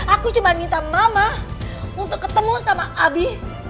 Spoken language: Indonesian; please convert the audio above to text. aku cuma minta mama untuk ketemu sama abi